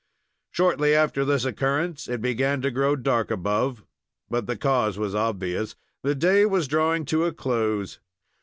Shortly after this occurrence it began to grow dark above, but the cause was obvious. The day was drawing to a close.